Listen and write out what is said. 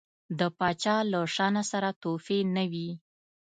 د پاچا له شانه سره تحفې نه وي.